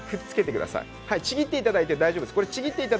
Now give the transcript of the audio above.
ちぎっていただいて大丈夫です。